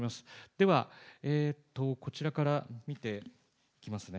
では、こちらから見ていきますね。